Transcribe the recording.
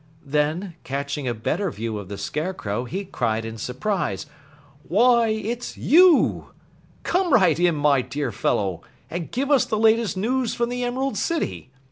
Then, catching a better view of the Scarecrow, he cried in surprise: "Why, it's you! Come right in, my dear fellow, and give us the latest news from the Emerald City.